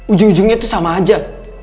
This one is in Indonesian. ujung ujungnya itu sama aja